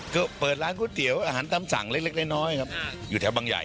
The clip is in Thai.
ก็เปิดร้านก๋วยเตี๋ยวอาหารตำสั่งเล็กน้อยครับอยู่แถวบางใหญ่